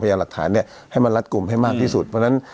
ยาหลักฐานเนี่ยให้มันรัดกลุ่มให้มากที่สุดเพราะฉะนั้น